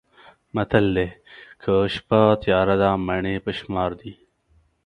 متل دی: که شپه تیاره ده مڼې په شمار دي.